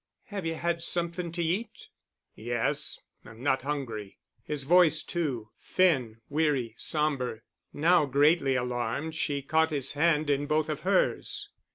"Have you had something to eat?" "Yes. I'm not hungry." His voice too ... thin, weary, somber. Now greatly alarmed, she caught his hand in both of hers.